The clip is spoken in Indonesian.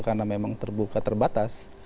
karena memang terbuka terbatas